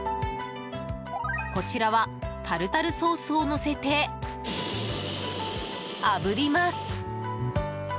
こちらはタルタルソースをのせてあぶります！